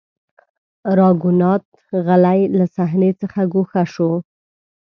راګونات غلی له صحنې څخه ګوښه شو.